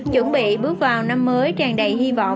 chuẩn bị bước vào năm mới tràn đầy hy vọng